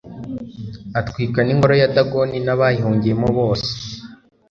atwika n'ingoro ya dagoni n'abayihungiyemo bose